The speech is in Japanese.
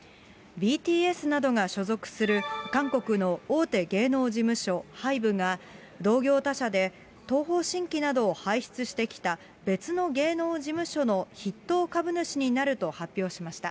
ＢＴＳなどが所属する、韓国の大手芸能事務所、ハイブが、同業他社で、東方神起などを輩出してきた、別の芸能事務所の筆頭株主になると発表しました。